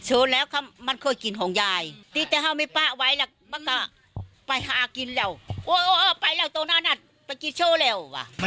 โชคแล้วค่ะมันค่อยกินของยายที่เต๋อเฮ้ามีป๊าไว้ล่ะมันก็ไปหากินแล้ว